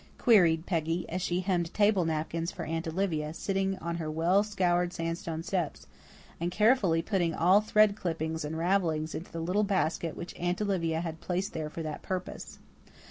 queried Peggy, as she hemmed table napkins for Aunt Olivia, sitting on her well scoured sandstone steps, and carefully putting all thread clippings and ravellings into the little basket which Aunt Olivia had placed there for that purpose.